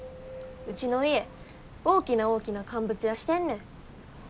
ウチの家大きな大きな乾物屋してんねん。